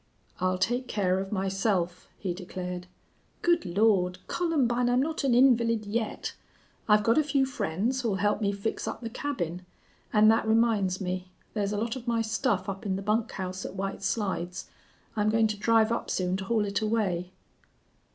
"I'll take care of myself," he declared. "Good Lord! Columbine, I'm not an invalid yet. I've got a few friends who'll help me fix up the cabin. And that reminds me. There's a lot of my stuff up in the bunk house at White Slides. I'm going to drive up soon to haul it away."